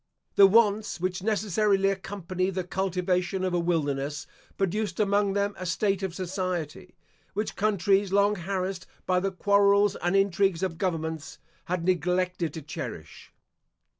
The wants which necessarily accompany the cultivation of a wilderness produced among them a state of society, which countries long harassed by the quarrels and intrigues of governments, had neglected to cherish.